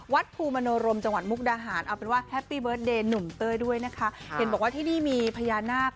วัดภูมิมโนรมจังหวัดมุกดาหารด้วย